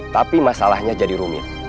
tapi masalahnya jadi rumit